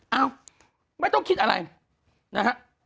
เอ้าไม่ต้องคิดอะไรนะฮะ